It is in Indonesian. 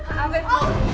siapa perempuan ini